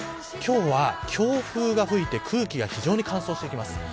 今日は強風が吹いて空気が非常に乾燥します。